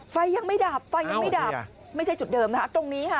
ไฟยังไม่ดับไม่ใช่จุดเดิมนะคะตรงนี้ค่ะ